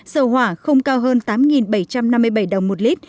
dầu hỏa không cao hơn tám bảy trăm năm mươi bảy đồng một lít